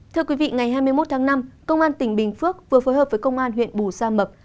thưa quý vị ngày hai mươi một tháng năm công an tỉnh bình phước vừa phối hợp với công an huyện bù gia mập